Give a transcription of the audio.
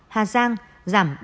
hà giang giảm ba trăm linh ba